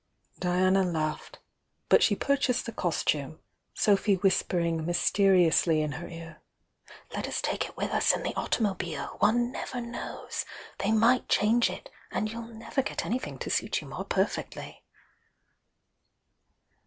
Diana laughed, — but she purchased the costume, Sophy whispering mysteriously in her ear: "Let us take It with us in the automobile! One never knows! — they might change it! And you'll never get any thing to suit you more perfectly."